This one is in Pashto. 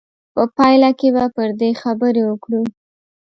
په پایله کې به پر دې خبرې وکړو.